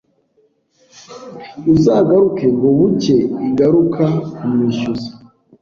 uzagaruke Ngo bucye igaruka kumwishyuza